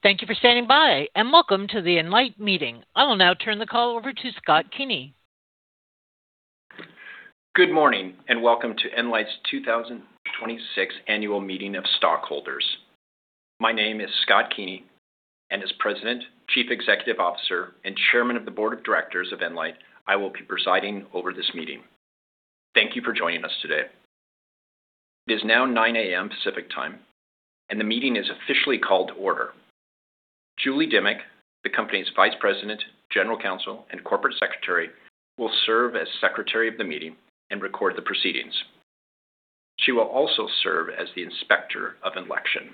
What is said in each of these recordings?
Thank you for standing by, and welcome to the nLIGHT meeting. I will now turn the call over to Scott Keeney. Good morning, and welcome to nLIGHT's 2026 Annual Meeting of Stockholders. My name is Scott Keeney, and as President, Chief Executive Officer, and Chairman of the Board of Directors of nLIGHT, I will be presiding over this meeting. Thank you for joining us today. It is now 9:00 A.M. Pacific Time, and the meeting is officially called to order. Julie Dimmick, the company's Vice President, General Counsel, and Corporate Secretary, will serve as Secretary of the meeting and record the proceedings. She will also serve as the Inspector of Election.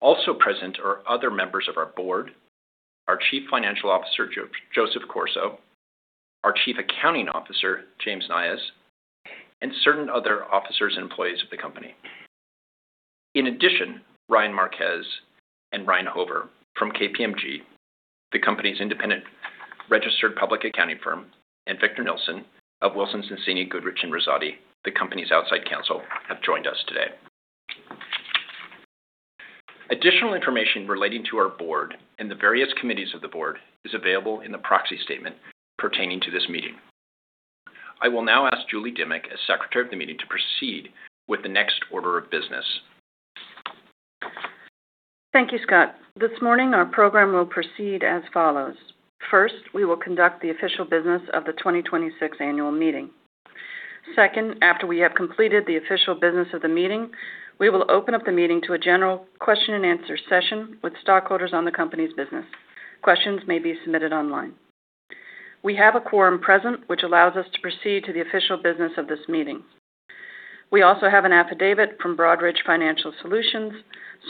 Also present are other members of our Board, our Chief Financial Officer, Joseph Corso, our Chief Accounting Officer, James Nias, and certain other officers and employees of the company. In addition, Ryan Marquez and Ryan Hoover from KPMG, the company's independent registered public accounting firm, and Victor Nilsson of Wilson Sonsini Goodrich & Rosati, the company's outside counsel, have joined us today. Additional information relating to our Board and the various committees of the Board is available in the proxy statement pertaining to this meeting. I will now ask Julie Dimmick, as Secretary of the meeting, to proceed with the next order of business. Thank you, Scott. This morning, our program will proceed as follows. First, we will conduct the official business of the 2026 annual meeting. Second, after we have completed the official business of the meeting, we will open up the meeting to a general question-and-answer session with stockholders on the company's business. Questions may be submitted online. We have a quorum present, which allows us to proceed to the official business of this meeting. We also have an affidavit from Broadridge Financial Solutions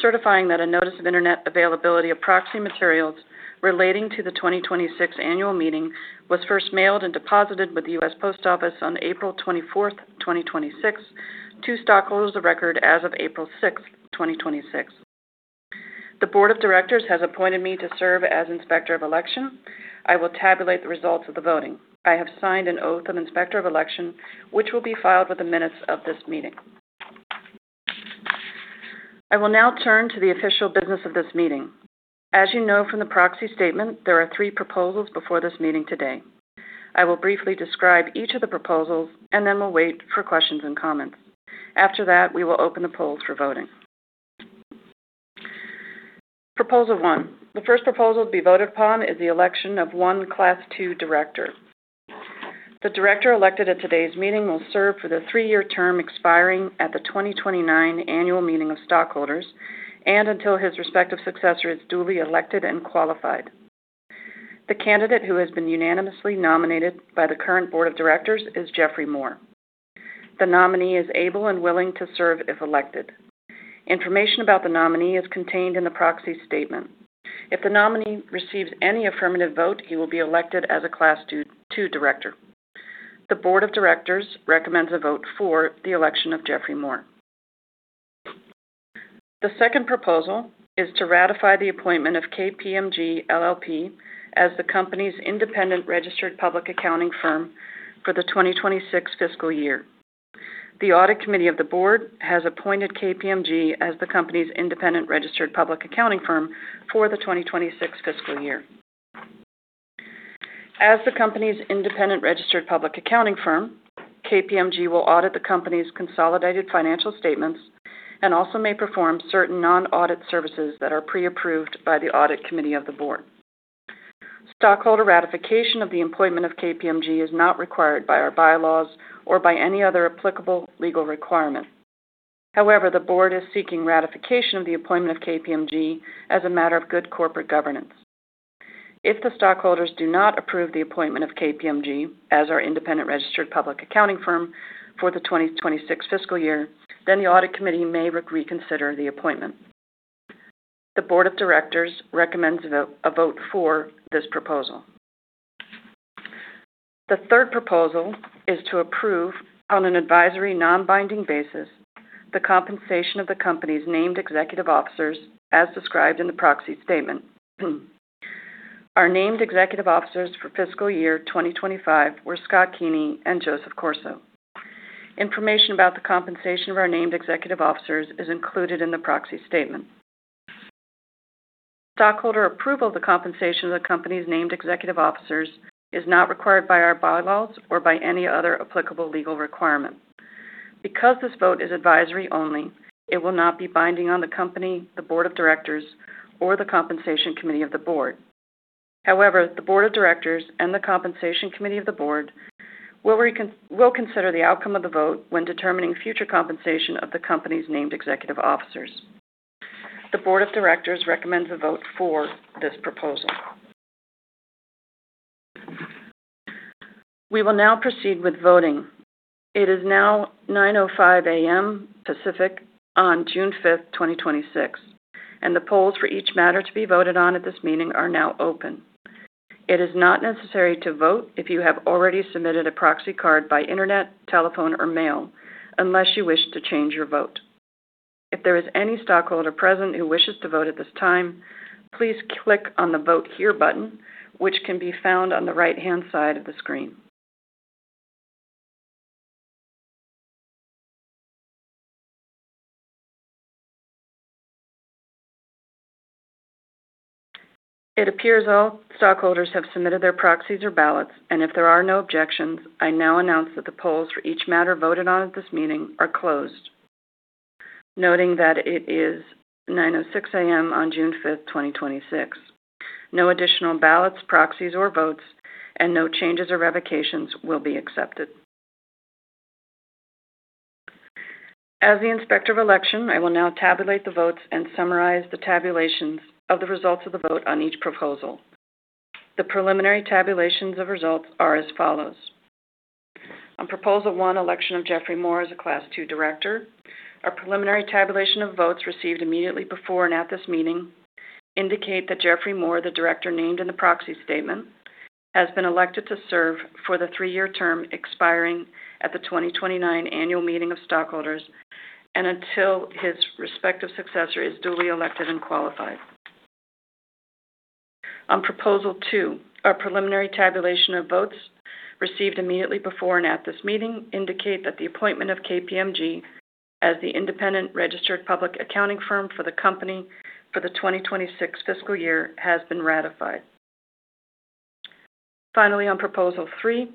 certifying that a notice of Internet availability of proxy materials relating to the 2026 annual meeting was first mailed and deposited with the U.S. Post Office on April 24th, 2026 to stockholders of record as of April 6th, 2026. The Board of Directors has appointed me to serve as Inspector of Election. I will tabulate the results of the voting. I have signed an oath of Inspector of Election, which will be filed with the minutes of this meeting. I will now turn to the official business of this meeting. As you know from the proxy statement, there are three proposals before this meeting today. I will briefly describe each of the proposals, and then we'll wait for questions and comments. After that, we will open the polls for voting. Proposal one. The first proposal to be voted upon is the election of one Class II Director. The Director elected at today's meeting will serve for the three-year term expiring at the 2029 annual meeting of stockholders and until his respective successor is duly elected and qualified. The candidate who has been unanimously nominated by the current Board of Directors is Geoffrey Moore. The nominee is able and willing to serve if elected. Information about the nominee is contained in the proxy statement. If the nominee receives any affirmative vote, he will be elected as a Class II Director. The Board of Directors recommends a vote for the election of Geoffrey Moore. The second proposal is to ratify the appointment of KPMG LLP as the company's independent registered public accounting firm for the 2026 fiscal year. The Audit Committee of the Board has appointed KPMG as the company's independent registered public accounting firm for the 2026 fiscal year. As the company's independent registered public accounting firm, KPMG will audit the company's consolidated financial statements and also may perform certain non-audit services that are pre-approved by the Audit Committee of the Board. Stockholder ratification of the employment of KPMG is not required by our bylaws or by any other applicable legal requirement. However, the Board is seeking ratification of the appointment of KPMG as a matter of good corporate governance. If the stockholders do not approve the appointment of KPMG as our independent registered public accounting firm for the 2026 fiscal year, then the Audit Committee may reconsider the appointment. The Board of Directors recommends a vote for this proposal. The third proposal is to approve, on an advisory non-binding basis, the compensation of the company's named Executive Officers as described in the proxy statement. Our named Executive Officers for fiscal year 2025 were Scott Keeney and Joseph Corso. Information about the compensation of our named Executive Officers is included in the proxy statement. Stockholder approval of the compensation of the company's named Executive Officers is not required by our bylaws or by any other applicable legal requirement. Because this vote is advisory only, it will not be binding on the company, the Board of Directors, or the Compensation Committee of the Board. However, the Board of Directors and the Compensation Committee of the Board will consider the outcome of the vote when determining future compensation of the company's named Executive Officers. The Board of Directors recommends a vote for this proposal. We will now proceed with voting. It is now 9:05 A.M. Pacific on June 5th, 2026, and the polls for each matter to be voted on at this meeting are now open. It is not necessary to vote if you have already submitted a proxy card by Internet, telephone, or mail unless you wish to change your vote. If there is any stockholder present who wishes to vote at this time, please click on the Vote Here button, which can be found on the right-hand side of the screen. It appears all stockholders have submitted their proxies or ballots. If there are no objections, I now announce that the polls for each matter voted on at this meeting are closed. Noting that it is 9:06 A.M. on June 5th, 2026. No additional ballots, proxies, or votes, and no changes or revocations will be accepted. As the Inspector of Election, I will now tabulate the votes and summarize the tabulations of the results of the vote on each proposal. The preliminary tabulations of results are as follows. On proposal one, election of Geoffrey Moore as a Class II Director, our preliminary tabulation of votes received immediately before and at this meeting indicate that Geoffrey Moore, the Director named in the proxy statement, has been elected to serve for the three-year term expiring at the 2029 Annual Meeting of Stockholders and until his respective successor is duly elected and qualified. On proposal two, our preliminary tabulation of votes received immediately before and at this meeting indicate that the appointment of KPMG as the independent registered public accounting firm for the company for the 2026 fiscal year has been ratified. Finally, on proposal three,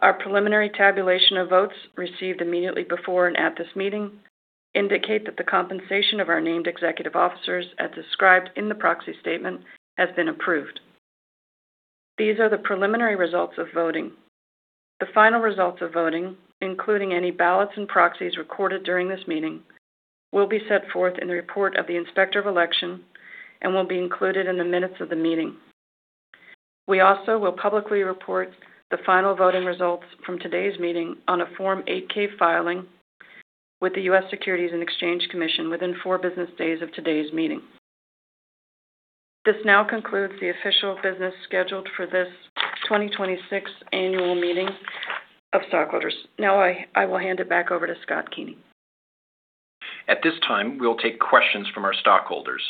our preliminary tabulation of votes received immediately before and at this meeting indicate that the compensation of our named Executive Officers, as described in the proxy statement, has been approved. These are the preliminary results of voting. The final results of voting, including any ballots and proxies recorded during this meeting, will be set forth in the report of the Inspector of Election and will be included in the minutes of the meeting. We also will publicly report the final voting results from today's meeting on a Form 8-K filing with the U.S. Securities and Exchange Commission within four business days of today's meeting. This now concludes the official business scheduled for this 2026 Annual Meeting of Stockholders. I will hand it back over to Scott Keeney. At this time, we will take questions from our stockholders.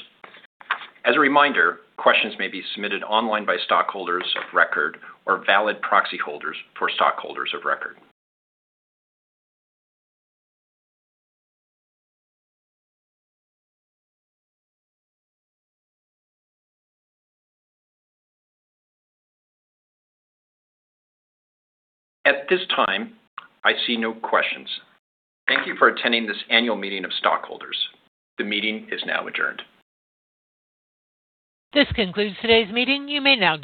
As a reminder, questions may be submitted online by stockholders of record or valid proxy holders for stockholders of record. At this time, I see no questions. Thank you for attending this Annual Meeting of Stockholders. The meeting is now adjourned. This concludes today's meeting. You may now disconnect.